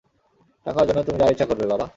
টাকার জন্য তুমি যা ইচ্ছা করবে, বাবা?